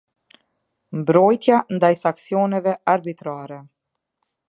Mbrojtja ndaj sanksioneve arbitrare.